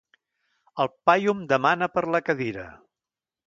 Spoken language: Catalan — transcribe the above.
El paio em demana per la cadira!